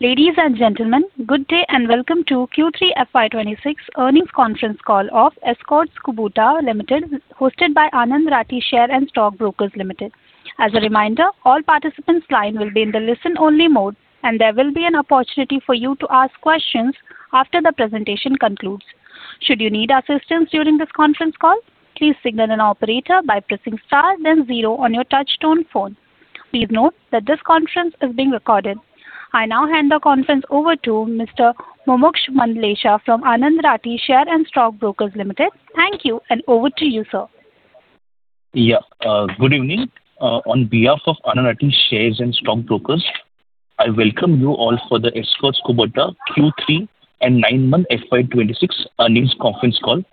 Ladies and gentlemen, good day, and welcome to Q3 FY 2026 earnings conference call of Escorts Kubota Limited, hosted by Anand Rathi Share and Stock Brokers Ltd. As a reminder, all participants' line will be in the listen-only mode, and there will be an opportunity for you to ask questions after the presentation concludes. Should you need assistance during this conference call, please signal an operator by pressing star then zero on your touchtone phone. Please note that this conference is being recorded. I now hand the conference over to Mr. Mumuksh Mandlesha from Anand Rathi Share and Stock Brokers Ltd. Thank you, and over to you, sir. Yeah. Good evening. On behalf of Anand Rathi Share and Stock Brokers, I welcome you all for the Escorts Kubota Q3 and 9M FY 2026 earnings conference call.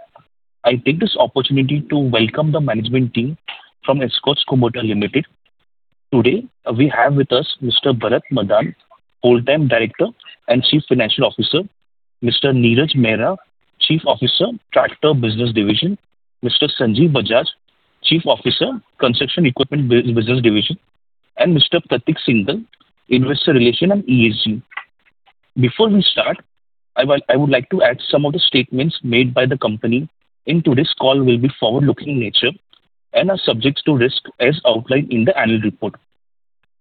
I take this opportunity to welcome the management team from Escorts Kubota Limited. Today, we have with us Mr. Bharat Madan, Full-time Director and Chief Financial Officer, Mr. Neeraj Mehra, Chief Officer, Tractor Business Division, Mr. Sanjeev Bajaj, Chief Officer, Construction Equipment Business Division, and Mr. Prateek Singhal, Investor Relations and ESG. Before we start, I would like to add some of the statements made by the company in today's call will be forward-looking in nature and are subject to risk, as outlined in the annual report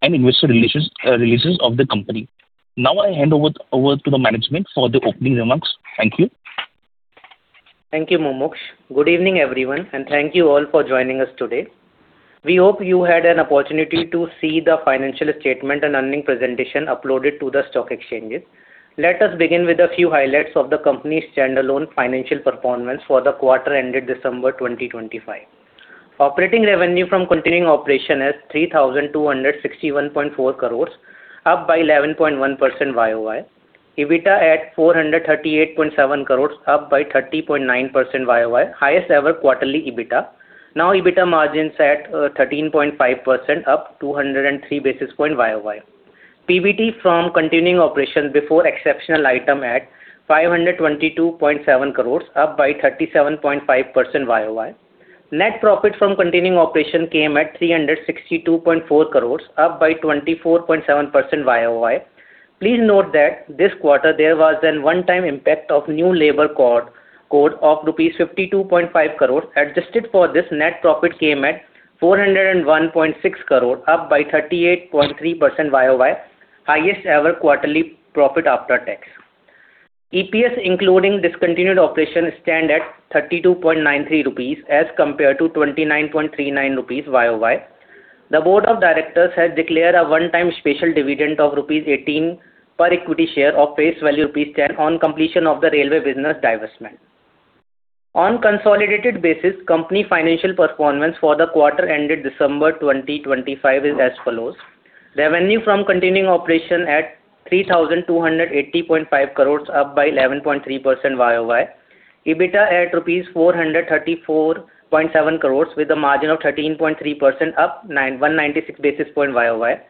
and investor relations releases of the company. Now I hand over to the management for the opening remarks. Thank you. Thank you, Mumuksh. Good evening, everyone, and thank you all for joining us today. We hope you had an opportunity to see the financial statement and earning presentation uploaded to the stock exchanges. Let us begin with a few highlights of the company's standalone financial performance for the quarter ended December 2025. Operating revenue from continuing operation is 3,261.4 crore, up by 11.1% YoY. EBITDA at 438.7 crore, up by 30.9% YoY, highest ever quarterly EBITDA. Now, EBITDA margins at 13.5%, up 203 basis points YoY. PBT from continuing operations before exceptional item at 522.7 crore, up by 37.5% YoY. Net profit from continuing operations came at 362.4 crore, up by 24.7% YoY. Please note that this quarter there was a one-time impact of new labor code of 52.5 crore rupees. Adjusted for this, net profit came at 401.6 crore, up by 38.3% YoY, highest ever quarterly profit after tax. EPS, including discontinued operations, stands at INR 32.93, as compared to INR 29.39 YoY. The board of directors has declared a one-time special dividend of INR 18 per equity share of face value INR 10 on completion of the railway business divestment. On consolidated basis, company financial performance for the quarter ended December 2025 is as follows: revenue from continuing operation at 3,280.5 crore, up by 11.3% YoY. EBITDA at rupees 434.7 crore with a margin of 13.3%, up 91.96 basis point YoY.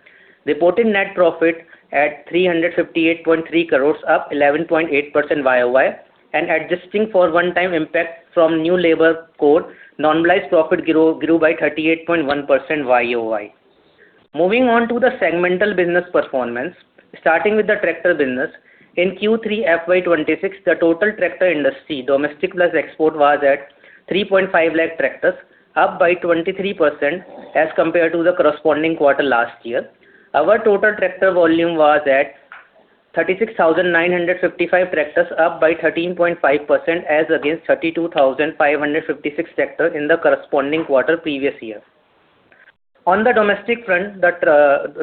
Reported net profit at 358.3 crore, up 11.8% YoY, and adjusting for one-time impact from new labor code, normalized profit grew by 38.1% YoY. Moving on to the segmental business performance, starting with the tractor business. In Q3 FY 2026, the total tractor industry, domestic plus export, was at 3.5 lakh tractors, up by 23% as compared to the corresponding quarter last year. Our total tractor volume was at 36,955 tractors, up by 13.5%, as against 32,556 tractors in the corresponding quarter previous year. On the domestic front, the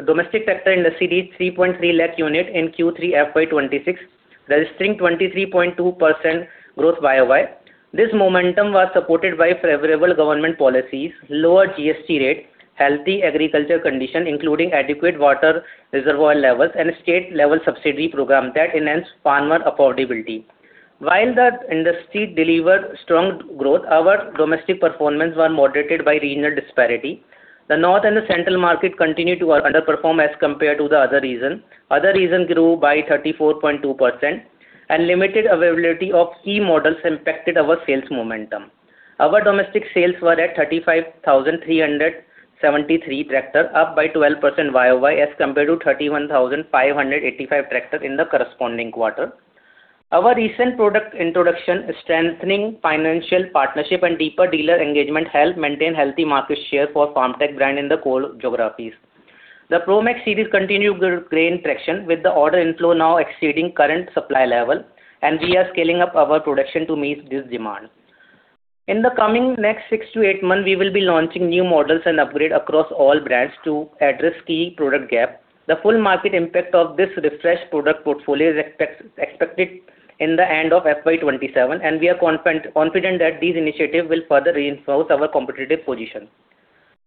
domestic tractor industry reached 3.3 lakh unit in Q3 FY 2026, registering 23.2% growth YoY. This momentum was supported by favorable government policies, lower GST rate, healthy agriculture condition, including adequate water reservoir levels and state-level subsidy program that enhanced farmer affordability. While the industry delivered strong growth, our domestic performance were moderated by regional disparity. The North and the Central market continued to underperform as compared to the other regions. Other regions grew by 34.2%, and limited availability of key models impacted our sales momentum. Our domestic sales were at 35,373 tractors, up by 12% YoY, as compared to 31,585 tractors in the corresponding quarter. Our recent product introduction, strengthening financial partnership, and deeper dealer engagement helped maintain healthy market share for Farmtrac brand in the core geographies. The Promaxx series continued to gain traction, with the order inflow now exceeding current supply level, and we are scaling up our production to meet this demand. In the coming next 6-8 months, we will be launching new models and upgrade across all brands to address key product gap. The full market impact of this refreshed product portfolio is expected in the end of FY 2027, and we are confident that these initiatives will further reinforce our competitive position.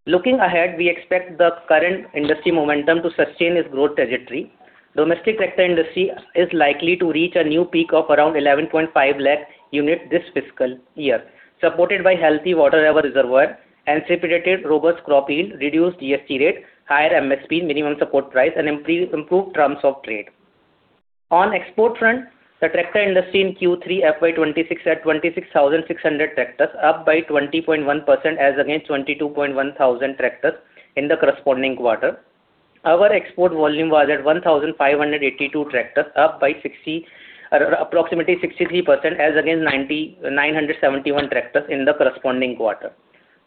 Looking ahead, we expect the current industry momentum to sustain its growth trajectory. Domestic tractor industry is likely to reach a new peak of around 11.5 lakh units this fiscal year, supported by healthy water level reservoir, anticipated robust crop yield, reduced GST rate, higher MSP, minimum support price, and improved terms of trade. On export front, the tractor industry in Q3 FY 2026 at 26,600 tractors, up by 20.1% as against 22,100 tractors in the corresponding quarter. Our export volume was at 1,582 tractors, up by 60, or approximately 63% as against 971 tractors in the corresponding quarter.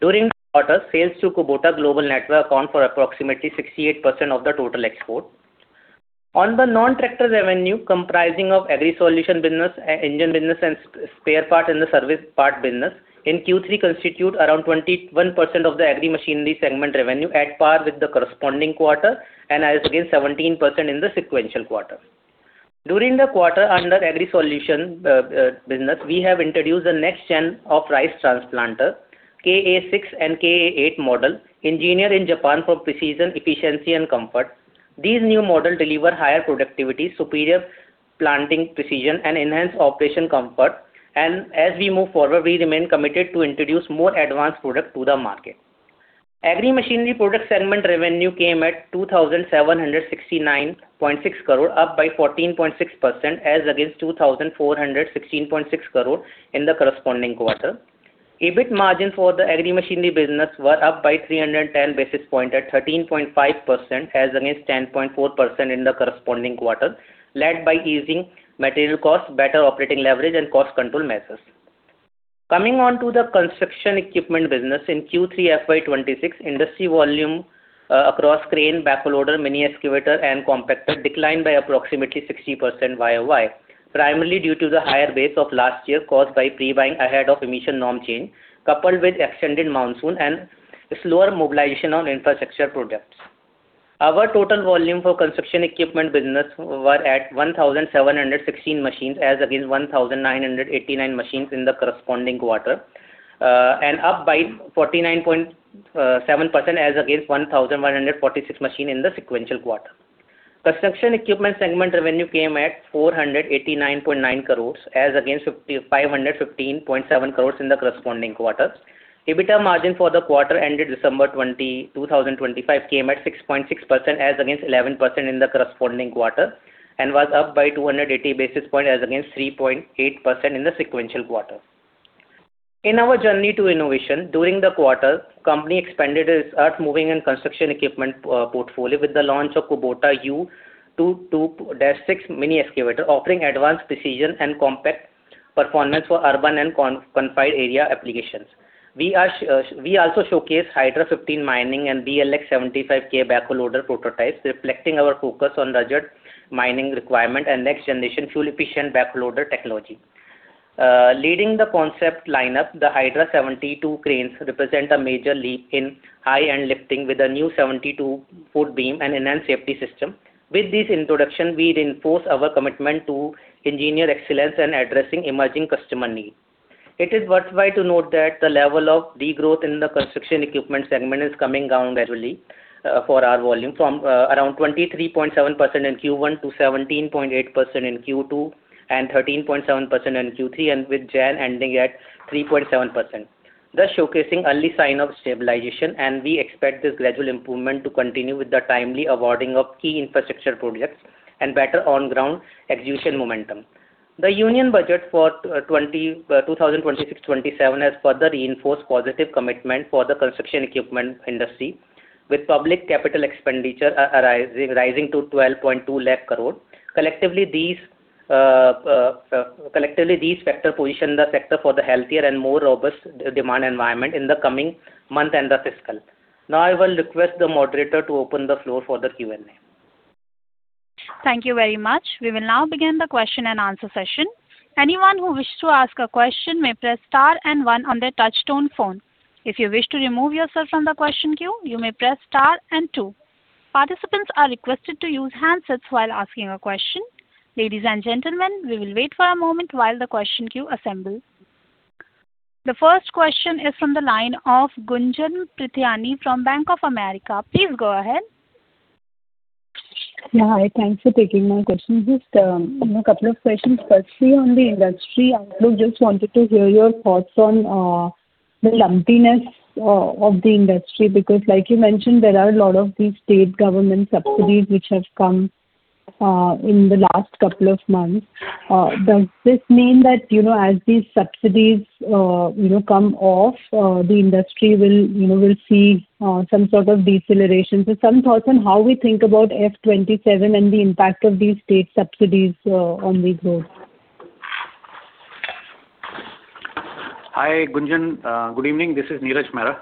During the quarter, sales through Kubota Global Network account for approximately 68% of the total export. On the non-tractor revenue, comprising of agri solution business, engine business, and spare parts in the service part business, in Q3 constitute around 21% of the agri machinery segment revenue, at par with the corresponding quarter, and as against 17% in the sequential quarter. During the quarter, under agri solution business, we have introduced the next gen of Rice Transplanter KA6 and KA8 model, engineered in Japan for precision, efficiency, and comfort. These new model deliver higher productivity, superior planting precision, and enhanced operation comfort. As we move forward, we remain committed to introduce more advanced product to the market. Agri machinery product segment revenue came at 2,769.6 crore, up by 14.6%, as against 2,416.6 crore in the corresponding quarter. EBIT margin for the agri machinery business were up by 310 basis points at 13.5%, as against 10.4% in the corresponding quarter, led by easing material costs, better operating leverage, and cost control measures. Coming on to the construction equipment business, in Q3 FY 2026, industry volume across crane, backhoe loader, mini excavator, and compactor declined by approximately 60% YoY, primarily due to the higher base of last year, caused by pre-buying ahead of emission norm change, coupled with extended monsoon and slower mobilization on infrastructure projects. Our total volume for construction equipment business were at 1,716 machines, as against 1,989 machines in the corresponding quarter, and up by 49.7% as against 1,146 machine in the sequential quarter. Construction equipment segment revenue came at 489.9 crore, as against 5,515.7 crore in the corresponding quarter. EBITDA margin for the quarter ended December 31, 2025, came at 6.6% as against 11% in the corresponding quarter, and was up by 280 basis point as against 3.8% in the sequential quarter. In our journey to innovation, during the quarter, company expanded its earthmoving and construction equipment portfolio with the launch of Kubota U22-6 mini excavator, offering advanced precision and compact performance for urban and confined area applications. We also showcase Hydra 15 mining and BLX75K backhoe loader prototypes, reflecting our focus on rugged mining requirement and next-generation fuel-efficient backhoe loader technology. Leading the concept lineup, the Hydra 72 cranes represent a major leap in high-end lifting, with a new 72-foot beam and enhanced safety system. With this introduction, we reinforce our commitment to engineering excellence and addressing emerging customer needs. It is worthwhile to note that the level of degrowth in the construction equipment segment is coming down gradually, for our volume, from around 23.7% in Q1 to 17.8% in Q2, and 13.7% in Q3, and with January ending at 3.7%, thus showcasing early sign of stabilization, and we expect this gradual improvement to continue with the timely awarding of key infrastructure projects and better on-ground execution momentum. The Union Budget for 2026-2027 has further reinforced positive commitment for the construction equipment industry, with public capital expenditure arising, rising to 1,220,000 crore. Collectively, these, collectively, these factors position the sector for the healthier and more robust demand environment in the coming month and the fiscal. Now I will request the moderator to open the floor for the Q&A. Thank you very much. We will now begin the question and answer session. Anyone who wishes to ask a question may press star and one on their touchtone phone. If you wish to remove yourself from the question queue, you may press star and two. Participants are requested to use handsets while asking a question. Ladies and gentlemen, we will wait for a moment while the question queue assembles. The first question is from the line of Gunjan Prithyani from Bank of America. Please go ahead. Yeah, hi. Thanks for taking my question. Just a couple of questions. Firstly, on the industry, I just wanted to hear your thoughts on the lumpiness of the industry, because like you mentioned, there are a lot of these state government subsidies which have come in the last couple of months. Does this mean that, you know, as these subsidies, you know, come off, the industry will, you know, will see some sort of deceleration? So some thoughts on how we think about Fy 2027 and the impact of these state subsidies on the growth. Hi, Gunjan. Good evening, this is Neeraj Mehra.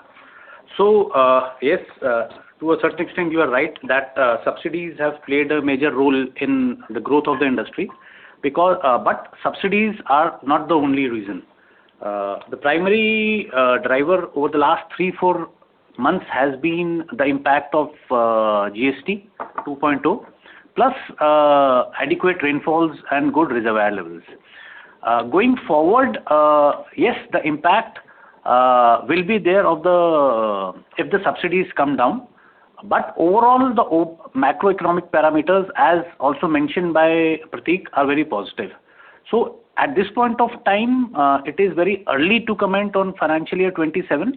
So, yes, to a certain extent, you are right that, subsidies have played a major role in the growth of the industry, because, but subsidies are not the only reason. The primary, driver over the last three to four months has been the impact of, GST 2.0, plus, adequate rainfalls and good reservoir levels. Going forward, yes, the impact, will be there of the... if the subsidies come down. But overall, the macroeconomic parameters, as also mentioned by Prateek, are very positive. So at this point of time, it is very early to comment on financial year 2027.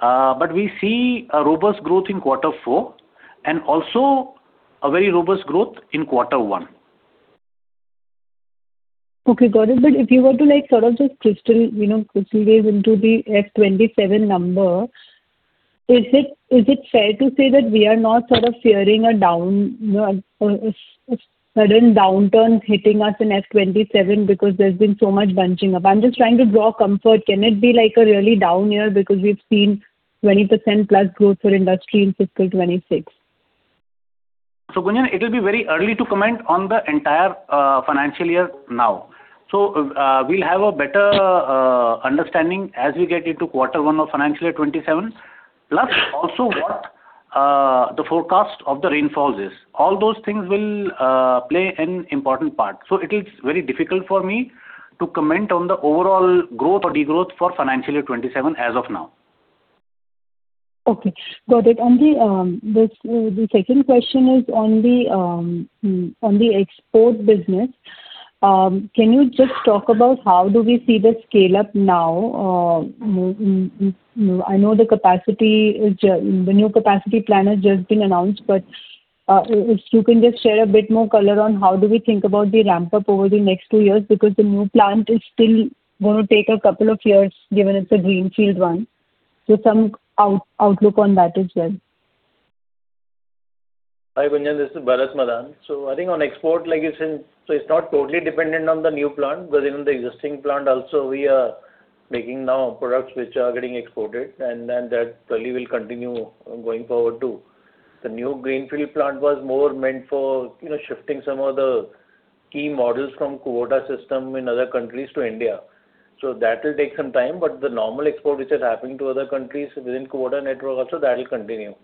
but we see a robust growth in Q4, and also a very robust growth in Q1. Okay, got it. But if you were to, like, sort of just crystal, you know, crystal gaze into the FY 2027 number, is it fair to say that we are not sort of fearing a down, a sudden downturn hitting us in FY 2027 because there's been so much bunching up? I'm just trying to draw comfort. Can it be like a really down year because we've seen 20%+ growth for industry in fiscal 2026? So, Gunjan, it'll be very early to comment on the entire, financial year now. So, we'll have a better, understanding as we get into Q1 of financial year 2027, plus also what, the forecast of the rainfalls is. All those things will, play an important part. So it is very difficult for me to comment on the overall growth or degrowth for financial year 2027 as of now. Okay, got it. And the second question is on the export business. Can you just talk about how do we see the scale-up now? I know the capacity is the new capacity plan has just been announced, but if you can just share a bit more color on how do we think about the ramp-up over the next two years, because the new plant is still going to take a couple of years, given it's a greenfield one. Just some outlook on that as well. Hi, Gunjan, this is Bharat Madaan. So I think on export, like you said, so it's not totally dependent on the new plant, because even the existing plant also, we are making now products which are getting exported, and then that probably will continue going forward, too. The new greenfield plant was more meant for, you know, shifting some of the key models from quota system in other countries to India. So that will take some time, but the normal export which is happening to other countries within quota network, also that will continue.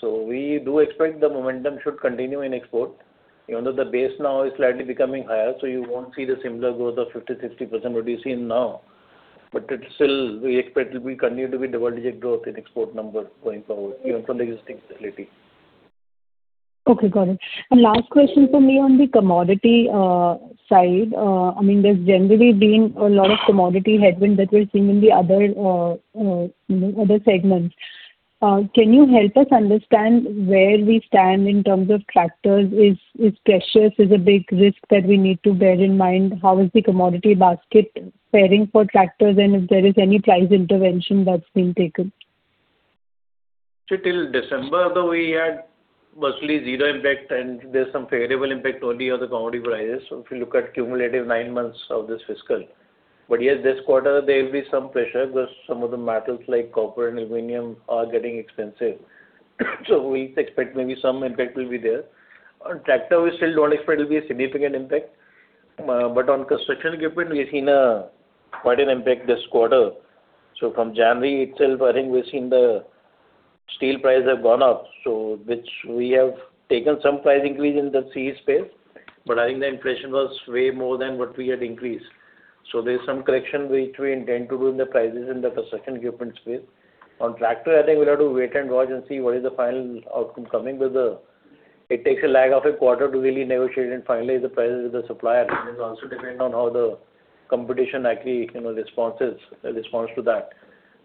So we do expect the momentum should continue in export, even though the base now is slightly becoming higher, so you won't see the similar growth of 50%, 60% what you're seeing now. But it still, we expect it will continue to be double-digit growth in export numbers going forward, even from the existing facility. Okay, got it. And last question for me on the commodity side. I mean, there's generally been a lot of commodity headwind that we're seeing in the other other segments. Can you help us understand where we stand in terms of tractors? Is pressures a big risk that we need to bear in mind? How is the commodity basket faring for tractors, and if there is any price intervention that's being taken? So till December, though, we had mostly zero impact, and there's some favorable impact only on the commodity prices, so if you look at cumulative nine months of this fiscal. But, yes, this quarter there will be some pressure, because some of the metals, like copper and aluminum, are getting expensive. So we expect maybe some impact will be there. On tractor, we still don't expect it will be a significant impact. But on construction equipment, we've seen a quite an impact this quarter. So from January till, I think we've seen the steel price have gone up, so which we have taken some price increase in the CE space, but I think the inflation was way more than what we had increased. So there's some correction which we intend to do in the prices in the construction equipment space. On tractor, I think we'll have to wait and watch and see what is the final outcome coming, because it takes a lag of a quarter to really negotiate and finalize the prices with the supplier. It is also dependent on how the competition actually, you know, responds to that.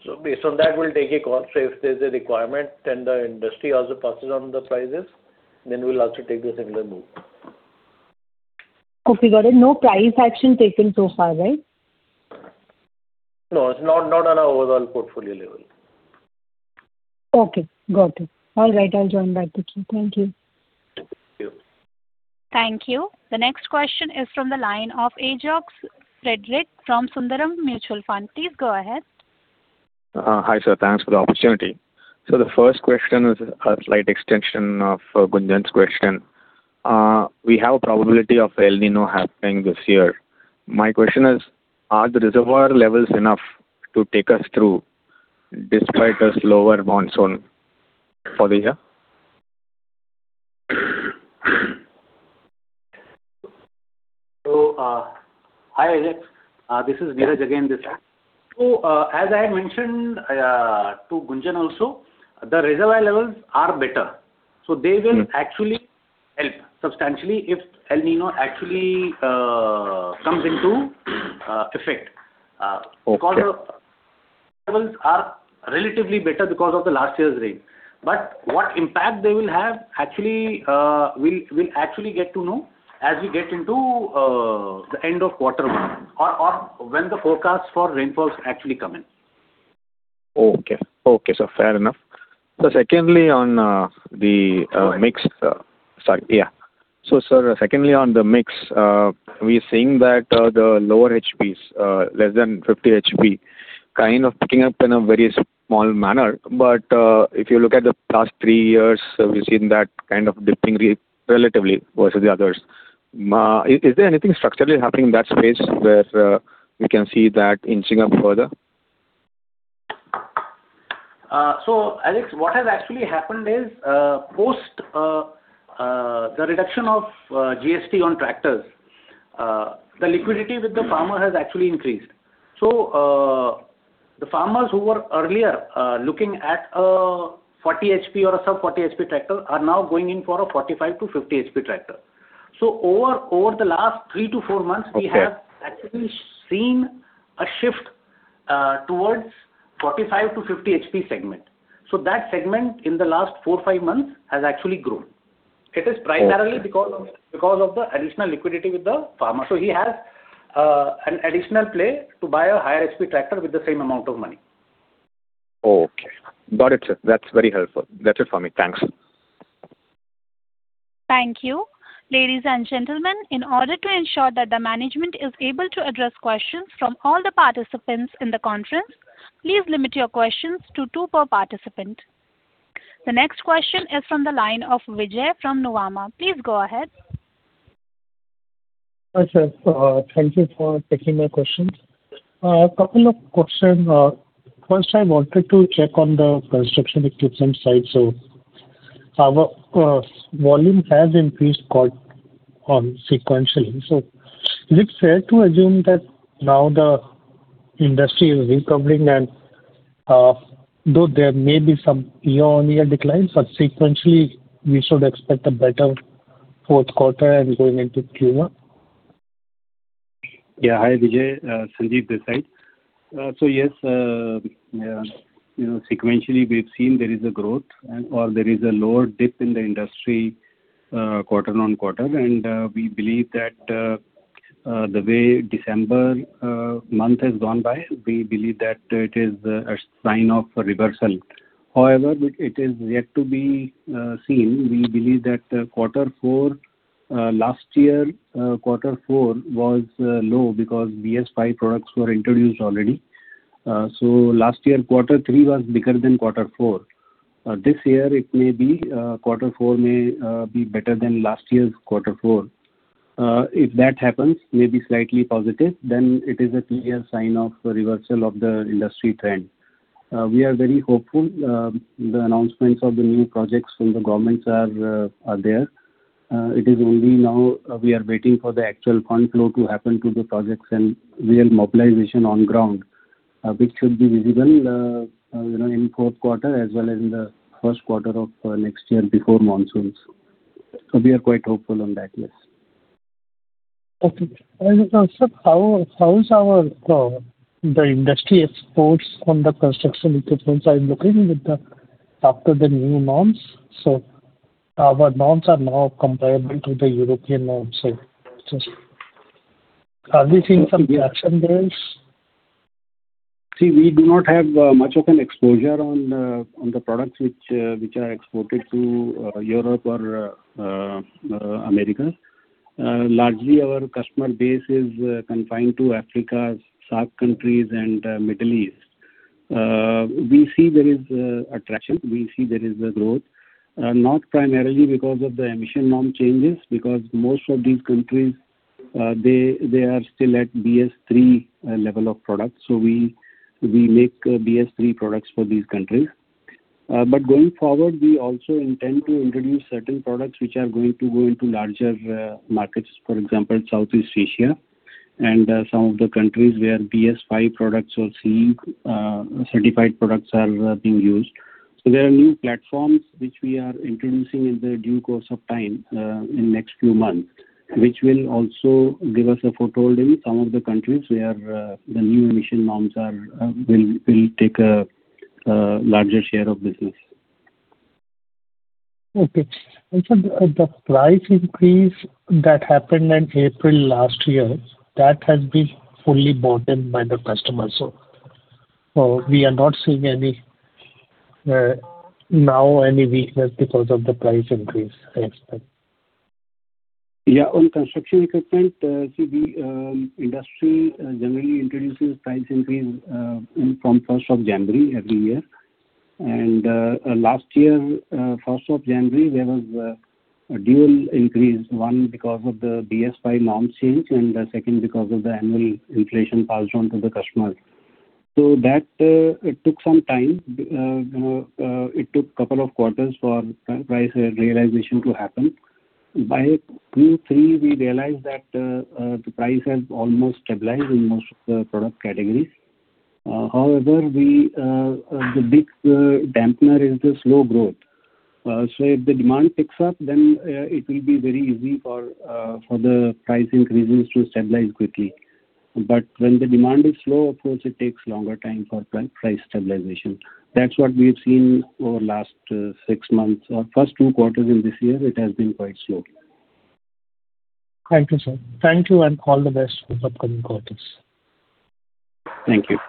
So based on that, we'll take a call. So if there's a requirement and the industry also passes on the prices, then we'll also take a similar move. Okay, got it. No price action taken so far, right? No, it's not, not on an overall portfolio level. Okay, got it. All right, I'll join back with you. Thank you. Thank you. Thank you. The next question is from the line of Ajox Frederick from Sundaram Mutual Fund. Please go ahead. Hi, sir, thanks for the opportunity. The first question is a slight extension of Gunjan's question. We have a probability of El Niño happening this year. My question is: Are the reservoir levels enough to take us through despite a slower monsoon for this year? So, hi, Ajox, this is Neeraj again this time. So, as I had mentioned, to Gunjan also, the reservoir levels are better. So they will- Mm. actually help substantially if El Niño actually comes into effect. Okay. Because the levels are relatively better because of the last year's rain. But what impact they will have, actually, we'll get to know as we get into the end of Q1 or when the forecast for rainfalls actually come in. Okay. Okay, so fair enough. So secondly, on the mix, sorry, yeah. So, sir, secondly, on the mix, we're seeing that the lower HPs, less than 50 HP, kind of picking up in a very small manner. But, if you look at the past three years, we've seen that kind of dipping relatively versus the others. Is there anything structurally happening in that space where we can see that inching up further? So Ajox, what has actually happened is, post the reduction of GST on tractors, the liquidity with the farmer has actually increased. So, the farmers who were earlier looking at a 40 HP or a sub-40 HP tractor, are now going in for a 45- to 50-HP tractor.... So over the last 3-4 months- Okay. We have actually seen a shift towards 45-50 HP segment. So that segment, in the last 4-5 months, has actually grown. Okay. It is primarily because of the additional liquidity with the farmer. So he has an additional play to buy a higher HP tractor with the same amount of money. Okay. Got it, sir. That's very helpful. That's it for me. Thanks. Thank you. Ladies and gentlemen, in order to ensure that the management is able to address questions from all the participants in the conference, please limit your questions to two per participant. The next question is from the line of Vijay from Nuvama. Please go ahead. Hi, sir. Thank you for taking my questions. A couple of questions. First, I wanted to check on the construction equipment side, so our volume has increased quite sequentially. So is it fair to assume that now the industry is recovering and, though there may be some year-on-year decline, subsequently, we should expect a better Q4 and going into Q1? Yeah, hi, Vijay, Sanjeev Bajaj. So, yes, yeah, you know, sequentially, we've seen there is a growth and or there is a lower dip in the industry, QoQ. And, we believe that, the way December month has gone by, we believe that it is a sign of reversal. However, it is yet to be seen. We believe that, Q4 last year, Q4 was low because BS-V products were introduced already. So last year, Q3 was bigger than Q4. This year it may be, Q4 may be better than last year's Q4. If that happens, may be slightly positive, then it is a clear sign of a reversal of the industry trend. We are very hopeful. The announcements of the new projects from the governments are there. It is only now we are waiting for the actual fund flow to happen to the projects and real mobilization on ground, which should be visible, you know, in Q4, as well as in the Q1 of next year before monsoons. So we are quite hopeful on that, yes. Okay. As a concept, how is the industry exports on the construction equipment looking after the new norms? So our norms are now comparable to the European norms, so just are we seeing some reaction there? See, we do not have much of an exposure on the products which are exported to Europe or America. Largely, our customer base is confined to Africa, SAARC countries, and Middle East. We see there is attraction. We see there is a growth not primarily because of the emission norm changes, because most of these countries they are still at BS-III level of products, so we make BS-III products for these countries. But going forward, we also intend to introduce certain products which are going to go into larger markets, for example, Southeast Asia and some of the countries where BS-V products are seeing certified products are being used. There are new platforms which we are introducing in the due course of time in next few months, which will also give us a foothold in some of the countries where the new emission norms will take a larger share of business. Okay. Also, the price increase that happened in April last year, that has been fully bought in by the customers, so we are not seeing any now any weakness because of the price increase, I expect. Yeah, on construction equipment, the industry generally introduces price increase in from first of January every year. And last year, first of January, there was a dual increase, one because of the BS-V norms change, and the second because of the annual inflation passed on to the customers. So that, it took some time, it took couple of quarters for price realization to happen. By Q3, we realized that, the price has almost stabilized in most of the product categories. However, we, the big dampener is the slow growth. So if the demand picks up, then, it will be very easy for, for the price increases to stabilize quickly. But when the demand is slow, of course, it takes longer time for price stabilization. That's what we've seen over last six months. Our first two quarters in this year, it has been quite slow. Thank you, sir. Thank you, and all the best for the upcoming quarters. Thank you.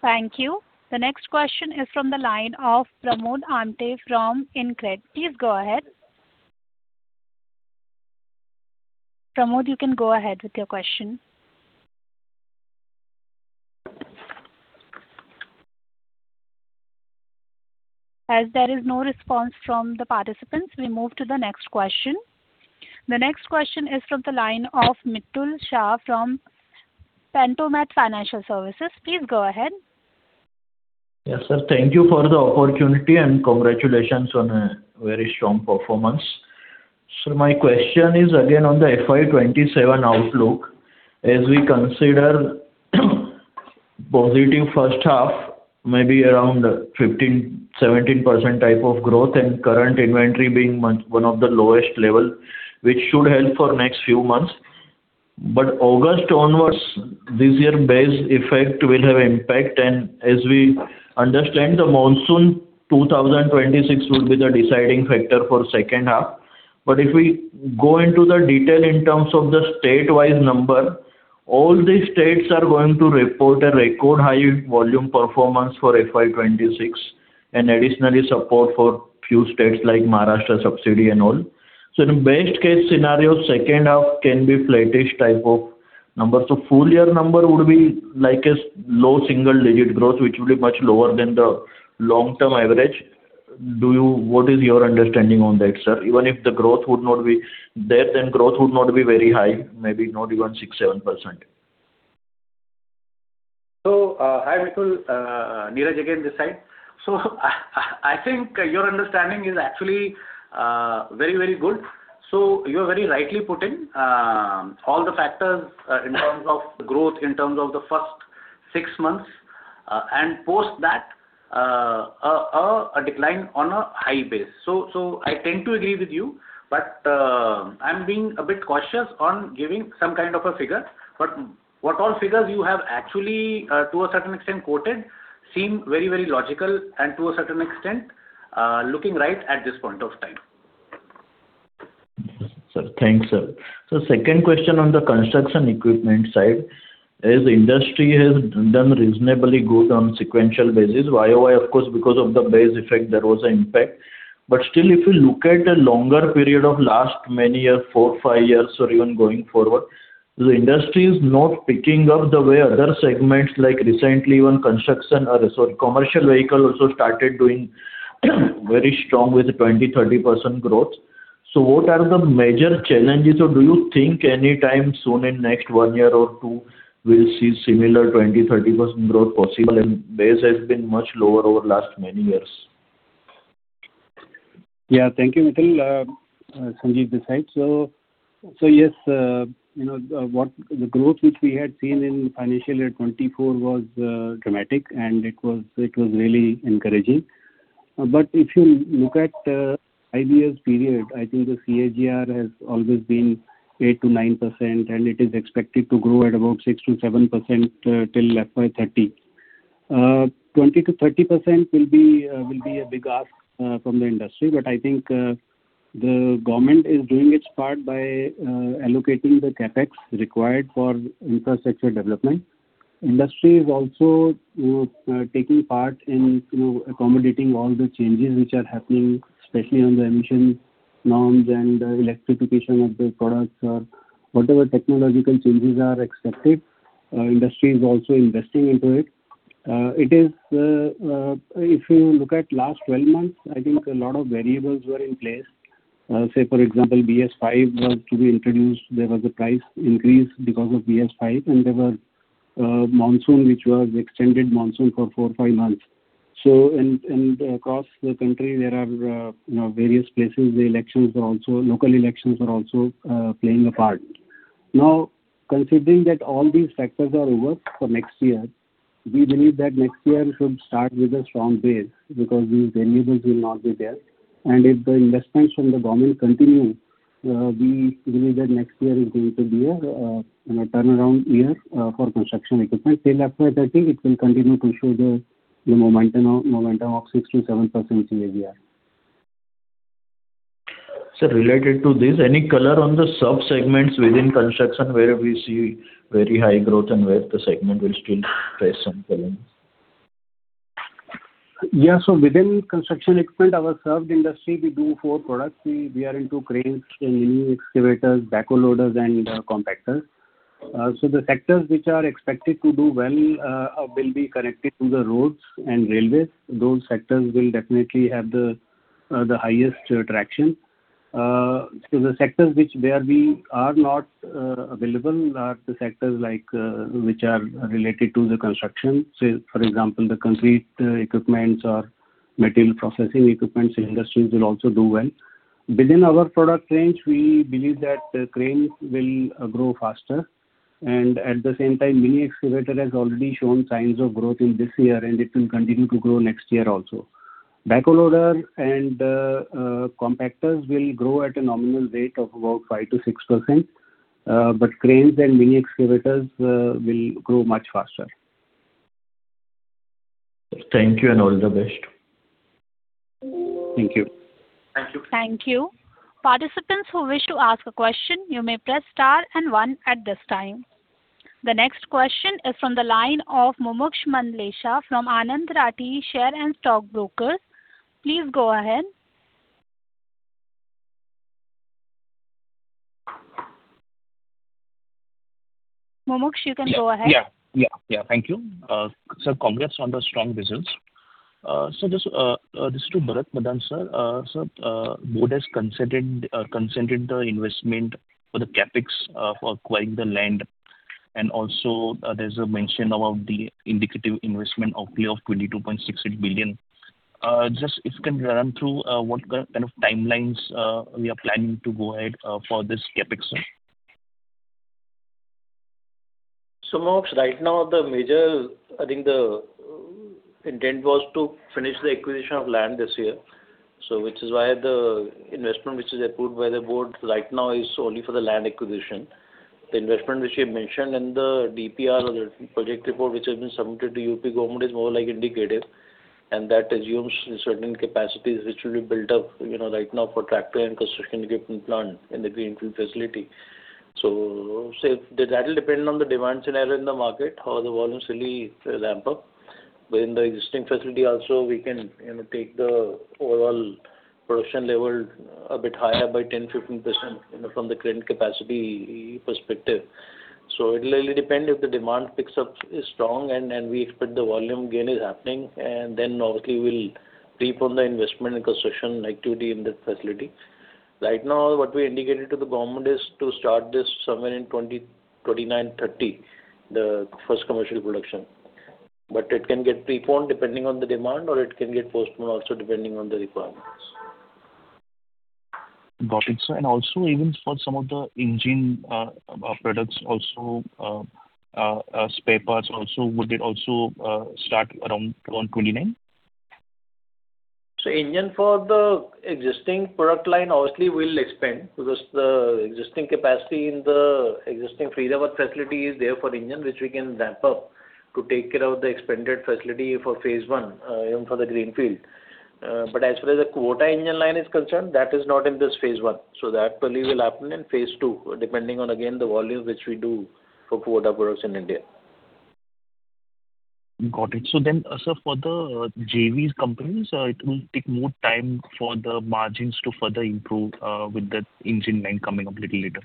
Thank you. The next question is from the line of Pramod Amthe from InCred. Please go ahead. Pramod, you can go ahead with your question. As there is no response from the participants, we move to the next question. The next question is from the line of Mitul Shah from Pantomath Capital Advisors. Please go ahead. Yes, sir, thank you for the opportunity, and congratulations on a very strong performance. So my question is again on the FY 2027 outlook. As we consider positive first half, maybe around 15%-17% type of growth, and current inventory being much lower, one of the lowest levels, which should help for next few months. But August onwards, this year base effect will have impact, and as we understand the monsoon, 2026 will be the deciding factor for second half. But if we go into the detail in terms of the state-wise numbers, all the states are going to report a record high volume performance for FY 2026, and additionally support for few states like Maharashtra subsidy and all. So in best case scenario, second half can be flattish type of number. So full year number would be like a low single digit growth, which will be much lower than the long-term average. Do you—what is your understanding on that, sir? Even if the growth would not be there, then growth would not be very high, maybe not even 6%-7%. So, hi, Mitul, Neeraj again this side. So I think your understanding is actually very, very good. So you are very rightly putting all the factors in terms of growth, in terms of the first six months, and post that, a decline on a high base. So I tend to agree with you, but I'm being a bit cautious on giving some kind of a figure. But what all figures you have actually to a certain extent quoted seem very, very logical and to a certain extent looking right at this point of time. Sir, thanks, sir. So second question on the construction equipment side, as industry has done reasonably good on sequential basis, YoY of course, because of the base effect, there was an impact. But still, if you look at a longer period of last many years, four, five years, or even going forward, the industry is not picking up the way other segments, like recently even construction or sorry, commercial vehicle also started doing very strong with 20%-30% growth. So what are the major challenges, or do you think anytime soon in next one year or two, we'll see similar 20%-30% growth possible? And base has been much lower over last many years. Yeah, thank you, Mitul. Sanjeev this side. So, yes, you know, what the growth which we had seen in financial year 2024 was dramatic, and it was really encouraging. But if you look at eight years period, I think the CAGR has always been 8%-9%, and it is expected to grow at about 6%-7% till FY 2030. 20%-30% will be a big ask from the industry, but I think the government is doing its part by allocating the CapEx required for infrastructure development. Industry is also, you know, taking part in accommodating all the changes which are happening, especially on the emission norms and the electrification of the products or whatever technological changes are expected. Industry is also investing into it. It is, if you look at last 12 months, I think a lot of variables were in place. Say, for example, BS-V was to be introduced. There was a price increase because of BS-V, and there was, monsoon, which was extended monsoon for four to five months. So and across the country, there are, you know, various places, the elections are also, local elections are also playing a part. Now, considering that all these factors are over for next year, we believe that next year should start with a strong base, because these variables will not be there. And if the investments from the government continue, we believe that next year is going to be a, you know, turnaround year, for construction equipment. Till FY 2026, I think it will continue to show the momentum of 6%-7% CAGR. Sir, related to this, any color on the sub-segments within construction where we see very high growth and where the segment will still face some challenge? Yeah, so within construction equipment, our served industry, we do four products. We are into cranes, and mini excavators, backhoe loaders and compactors. So the sectors which are expected to do well will be connected to the roads and railways. Those sectors will definitely have the highest traction. So the sectors which where we are not available are the sectors like which are related to the construction. Say, for example, the concrete equipments or material processing equipments industries will also do well. Within our product range, we believe that the cranes will grow faster, and at the same time, mini excavator has already shown signs of growth in this year, and it will continue to grow next year also. Backhoe loader and compactors will grow at a nominal rate of about 5%-6%. But cranes and mini excavators will grow much faster. Thank you, and all the best. Thank you. Thank you. Thank you. Participants who wish to ask a question, you may press star and one at this time. The next question is from the line of Mumuksh Mandlesha from Anand Rathi Share and Stock Brokers. Please go ahead. Mumuksh, you can go ahead. Yeah, yeah, yeah. Thank you. Sir, congrats on the strong results. So just, this is to Bharat Madaan, sir. Sir, board has considered the investment for the CapEx, for acquiring the land, and also, there's a mention about the indicative investment outlay of 22.68 billion. Just if you can run through, what kind of timelines, we are planning to go ahead, for this CapEx, sir? So, Mumuksh, right now, the major, I think the intent was to finish the acquisition of land this year. So which is why the investment, which is approved by the board right now, is only for the land acquisition. The investment which you mentioned in the DPR, or the project report, which has been submitted to UP government, is more like indicative, and that assumes certain capacities which will be built up, you know, right now for tractor and construction equipment plant in the greenfield facility. So say, that will depend on the demand scenario in the market, how the volumes will ramp up. But in the existing facility also, we can, you know, take the overall production level a bit higher by 10%-15%, you know, from the current capacity perspective. So it will really depend if the demand picks up is strong, and, and we expect the volume gain is happening, and then obviously, we'll prepone the investment and construction activity in that facility. Right now, what we indicated to the government is to start this somewhere in 2029-2030, the first commercial production. But it can get preponed depending on the demand, or it can get postponed also, depending on the requirements. Got it, sir. And also, even for some of the engine products also, spare parts also, would it also start around 29? Engine for the existing product line, obviously, we'll expand, because the existing capacity in the existing Faridabad facility is there for engine, which we can ramp up to take care of the expanded facility for phase one, even for the greenfield. But as far as the Kubota engine line is concerned, that is not in this phase one. So that probably will happen in phase two, depending on, again, the volume which we do for Kubota products in India. Got it. So then, sir, for the JV companies, it will take more time for the margins to further improve, with the engine line coming up little later?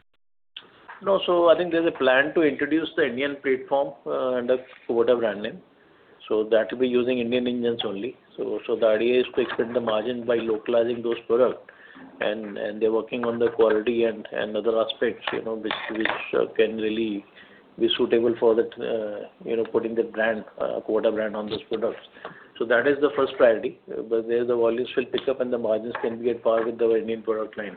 No, so I think there's a plan to introduce the Indian platform under Kubota brand name. So that will be using Indian engines only. So the idea is to expand the margin by localizing those product, and they're working on the quality and other aspects, you know, which can really be suitable for the, you know, putting the brand, Kubota brand on those products. So that is the first priority. But there, the volumes will pick up and the margins can get par with the Indian product line.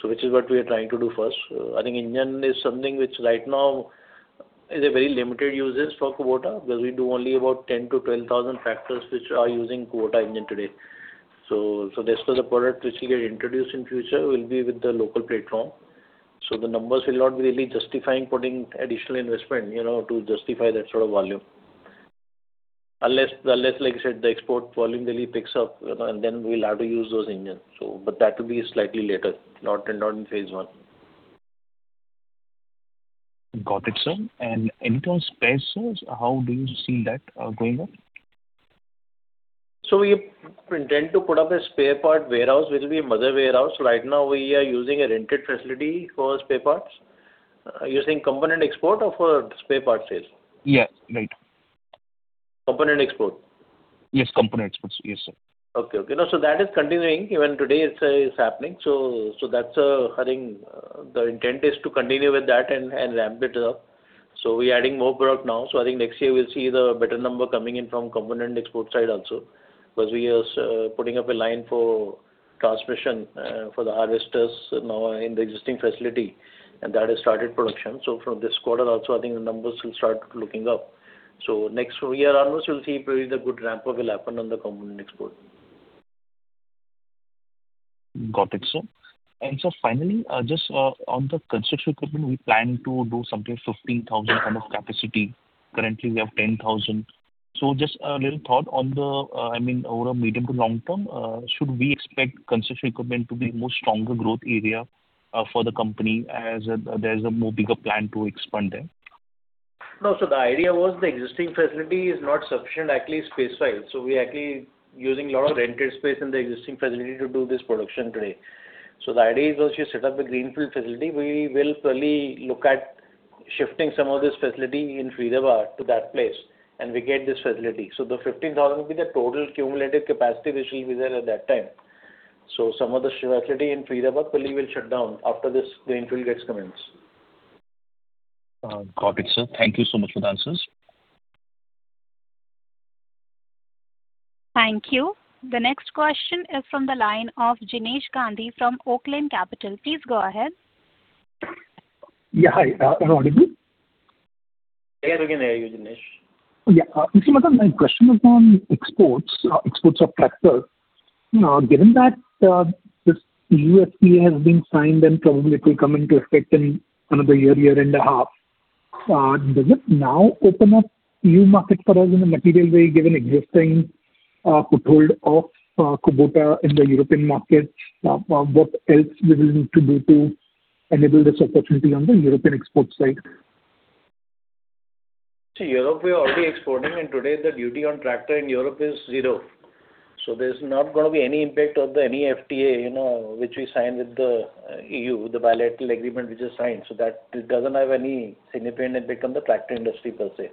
So which is what we are trying to do first. I think engine is something which right now is a very limited usage for Kubota, because we do only about 10-12,000 tractors which are using Kubota engine today. Rest of the product which will get introduced in future will be with the local platform. So the numbers will not be really justifying putting additional investment, you know, to justify that sort of volume. Unless, like you said, the export volume really picks up, you know, and then we'll have to use those engines. So, but that will be slightly later, not in phase one. Got it, sir. In terms of spare sales, how do you see that going on? So we intend to put up a spare part warehouse, which will be a mother warehouse. Right now, we are using a rented facility for spare parts. Are you saying component export or for spare part sales? Yes, right. Component export? Yes, component exports. Yes, sir. Okay, okay. No, so that is continuing. Even today, it's, it's happening. So, so that's, I think, the intent is to continue with that and, and ramp it up. So we're adding more product now. So I think next year we'll see the better number coming in from component export side also. Because we are, putting up a line for transmission, for the harvesters now in the existing facility, and that has started production. So from this quarter also, I think the numbers will start looking up. So next year onwards, you'll see probably the good ramp up will happen on the component export. Got it, sir. And sir, finally, just on the construction equipment, we plan to do something 15,000 kind of capacity. Currently, we have 10,000. So just a little thought on the, I mean, over a medium- to long-term, should we expect construction equipment to be more stronger growth area for the company as there is a more bigger plan to expand there? No, so the idea was the existing facility is not sufficient, actually, space-wise. So we're actually using a lot of rented space in the existing facility to do this production today. So the idea is, once you set up the greenfield facility, we will probably look at shifting some of this facility in Faridabad to that place, and we get this facility. So the 15,000 will be the total cumulative capacity, which will be there at that time. So some of the facility in Faridabad probably will shut down after this greenfield gets commenced. Got it, sir. Thank you so much for the answers. Thank you. The next question is from the line of Jinesh Gandhi from Oaklane Capital. Please go ahead. Yeah, hi, am I audible? Yeah, we can hear you, Jinesh. Yeah, you see, my, my question is on exports, exports of tractors. Now, given that, this TEPA has been signed and probably it will come into effect in another year, year and a half, does it now open up new markets for us in a material way, given existing, foothold of, Kubota in the European market? What else do we need to do to enable this opportunity on the European export side? To Europe, we are already exporting, and today the duty on tractor in Europe is zero. So there's not going to be any impact of the any FTA, you know, which we sign with the, E.U., the bilateral agreement which is signed. So that it doesn't have any significant impact on the tractor industry per se.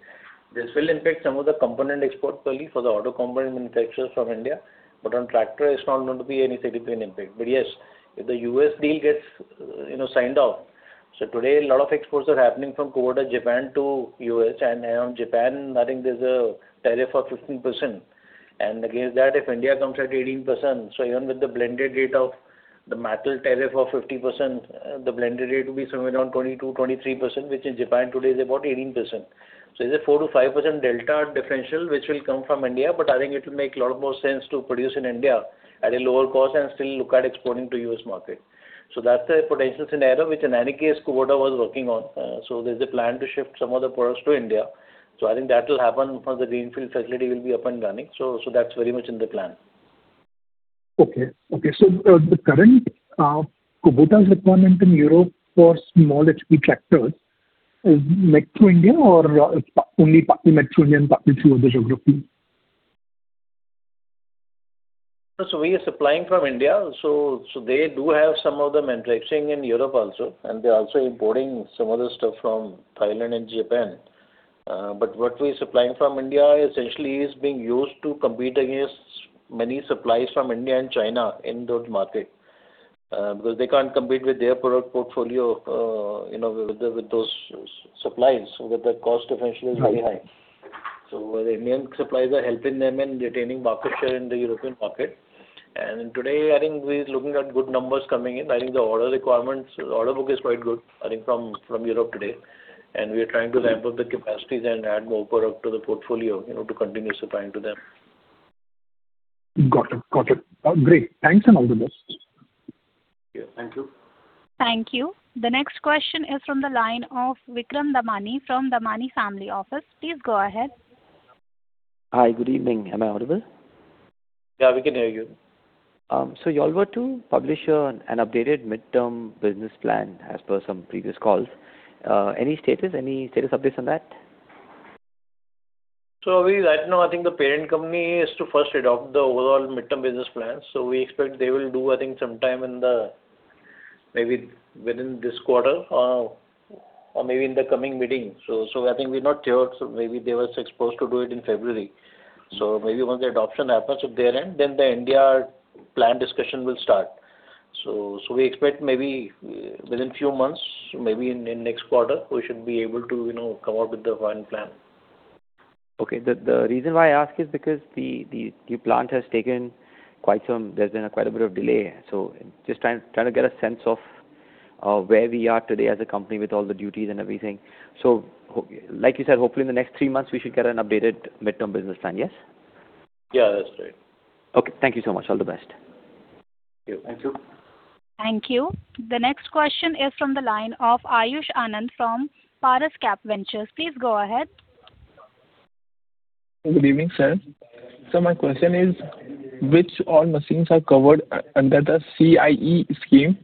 This will impact some of the component export probably for the auto component manufacturers from India, but on tractor, it's not going to be any significant impact. But yes, if the U.S. deal gets, you know, signed off... So today, a lot of exports are happening from Kubota, Japan to U.S., and around Japan, I think there's a tariff of 15%. And against that, if India comes at 18%, so even with the blended rate of... The metal tariff of 50%, the blended rate will be somewhere around 22%-23%, which in Japan today is about 18%. So it's a 4%-5% delta differential, which will come from India, but I think it will make a lot more sense to produce in India at a lower cost and still look at exporting to U.S. market. So that's the potential scenario, which in any case, Kubota was working on. So there's a plan to shift some of the products to India. So I think that will happen once the greenfield facility will be up and running. So that's very much in the plan. Okay. Okay, so, the current, Kubota's requirement in Europe for small HP tractors is made through India or only partly made through India and partly through other geography? We are supplying from India, so they do have some of them manufacturing in Europe also, and they're also importing some of the stuff from Thailand and Japan. But what we're supplying from India essentially is being used to compete against many suppliers from India and China in those markets, because they can't compete with their product portfolio, you know, with those supplies, with the cost efficiency very high. Right. The Indian suppliers are helping them in retaining market share in the European market. Today, I think we're looking at good numbers coming in. I think the order requirements, order book is quite good, I think from Europe today, and we are trying to ramp up the capacities and add more product to the portfolio, you know, to continue supplying to them. Got it. Got it. Great. Thanks, and all the best. Yeah. Thank you. Thank you. The next question is from the line of Vikram Damani from Damani Family Office. Please go ahead. Hi, good evening. Am I audible? Yeah, we can hear you. You all were to publish an updated midterm business plan as per some previous calls. Any status updates on that? So, right now, I think the parent company is to first adopt the overall midterm business plan. So we expect they will do, I think, sometime in the, maybe within this quarter or, or maybe in the coming meeting. So, so I think we're not sure. So maybe they were supposed to do it in February. So maybe once the adoption happens at their end, then the India plan discussion will start. So, so we expect maybe within few months, maybe in, in next quarter, we should be able to, you know, come out with the one plan. Okay. The reason why I ask is because the plant has taken quite some... There's been quite a bit of delay. So just trying to get a sense of where we are today as a company with all the duties and everything. So like you said, hopefully in the next three months, we should get an updated midterm business plan, yes? Yeah, that's right. Okay. Thank you so much. All the best. Thank you. Thank you. The next question is from the line of Ayush Anand from Parascap Ventures. Please go ahead. Good evening, sir. So my question is, which all machines are covered under the PLI scheme,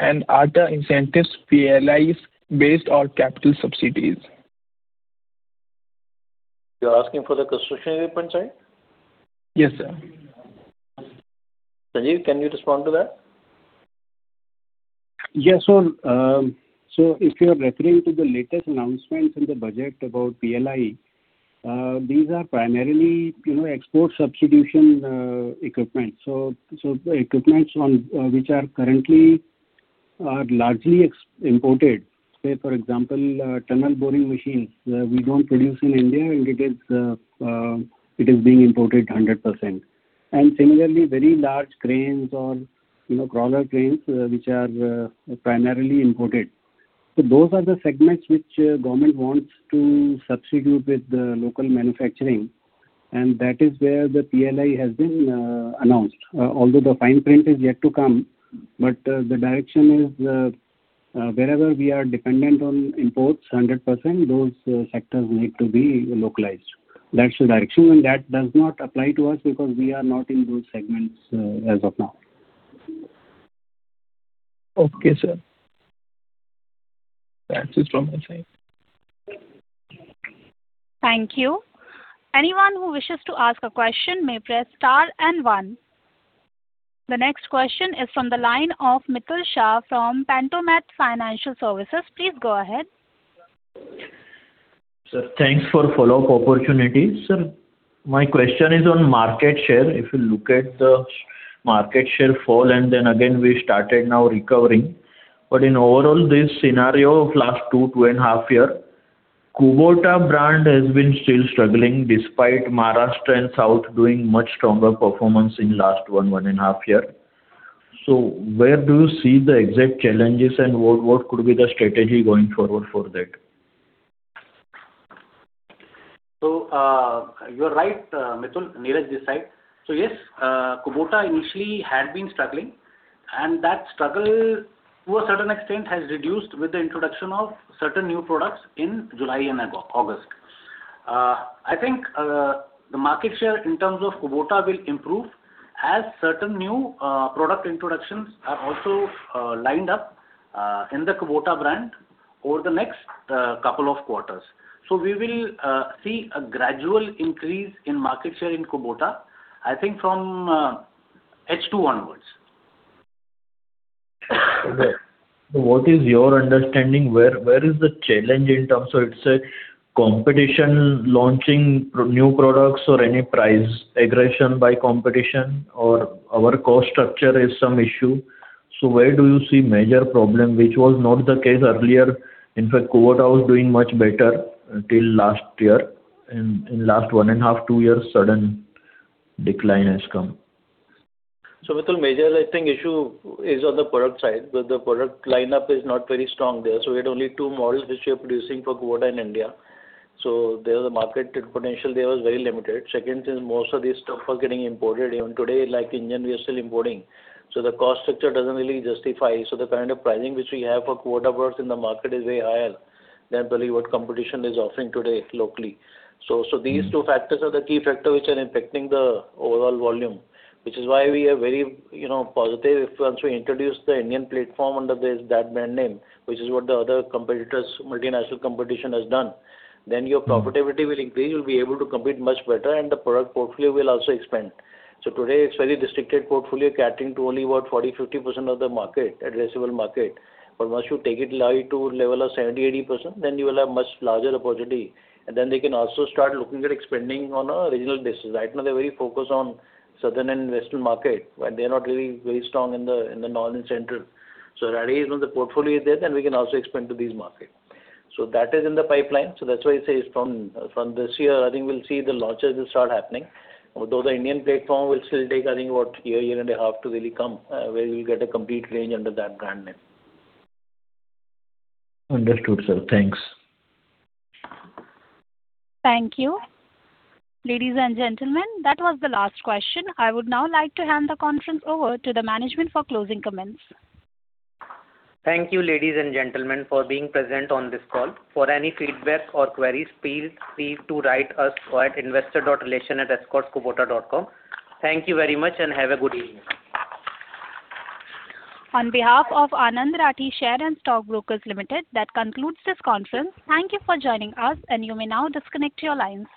and are the incentives PLI-based or capital subsidies? You're asking for the construction equipment side? Yes, sir. Sanjeev, can you respond to that? Yes, so if you are referring to the latest announcements in the budget about PLI, these are primarily, you know, export substitution equipment. So the equipments on which are currently largely imported, say, for example, tunnel boring machines, we don't produce in India, and it is being imported 100%. And similarly, very large cranes or, you know, crawler cranes, which are primarily imported. So those are the segments which government wants to substitute with the local manufacturing, and that is where the PLI has been announced. Although the fine print is yet to come, but the direction is wherever we are dependent on imports 100%, those sectors need to be localized. That's the direction, and that does not apply to us because we are not in those segments, as of now. Okay, sir. That's it from my side. Thank you. Anyone who wishes to ask a question may press star and one. The next question is from the line of Mitul Shah from Pantomath Capital Advisors. Please go ahead. Sir, thanks for follow-up opportunity. Sir, my question is on market share. If you look at the market share fall, and then again, we started now recovering, but in overall, this scenario of last 2, 2.5 year, Kubota brand has been still struggling, despite Maharashtra and South doing much stronger performance in last 1, 1.5 year. So where do you see the exact challenges, and what, what could be the strategy going forward for that? So, you're right, Mitul. Neeraj this side. So yes, Kubota initially had been struggling, and that struggle to a certain extent has reduced with the introduction of certain new products in July and August. I think, the market share in terms of Kubota will improve as certain new, product introductions are also, lined up, in the Kubota brand over the next, couple of quarters. So we will, see a gradual increase in market share in Kubota, I think from, H2 onwards. What is your understanding, where, where is the challenge in terms of, let's say, competition, launching new products or any price aggression by competition, or our cost structure is some issue? Where do you see major problem, which was not the case earlier? In fact, Kubota was doing much better until last year... In, in last 1.5-2 years, sudden decline has come. So Vithal, major, I think, issue is on the product side, because the product lineup is not very strong there. So we had only two models which we are producing for Kubota in India. So there, the market potential there was very limited. Second is, most of these stuff are getting imported. Even today, like engine, we are still importing. So the cost structure doesn't really justify. So the kind of pricing which we have for Kubota products in the market is way higher than probably what competition is offering today locally. So, so these two factors are the key factors which are impacting the overall volume, which is why we are very, you know, positive. If once we introduce the Indian platform under this, that brand name, which is what the other competitors, multinational competition, has done, then your profitability will increase, you'll be able to compete much better, and the product portfolio will also expand. So today, it's very restricted portfolio, catering to only about 40%-50% of the market, addressable market. But once you take it live to a level of 70%-80%, then you will have much larger opportunity, and then they can also start looking at expanding on a regional basis. Right now, they're very focused on southern and western market, but they're not really very strong in the, in the north and central. So once the portfolio is there, then we can also expand to these markets. So that is in the pipeline. So that's why I say from this year, I think we'll see the launches will start happening. Although the Indian platform will still take, I think, about a year, year and a half to really come, where you'll get a complete range under that brand name. Understood, sir. Thanks. Thank you. Ladies and gentlemen, that was the last question. I would now like to hand the conference over to the management for closing comments. Thank you, ladies and gentlemen, for being present on this call. For any feedback or queries, please, please to write us at investor.relations@escortskubota.com. Thank you very much, and have a good evening. On behalf of Anand Rathi Share and Stock Brokers Limited, that concludes this conference. Thank you for joining us, and you may now disconnect your lines.